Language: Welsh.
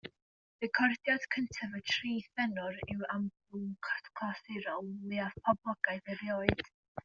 Recordiad cyntaf y Tri Thenor yw'r albwm clasurol mwyaf poblogaidd erioed.